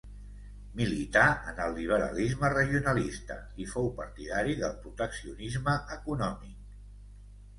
Milità en el liberalisme regionalista i fou partidari del proteccionisme econòmic.